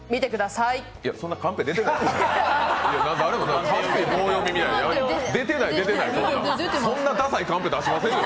そんなカンペ、出てないよ。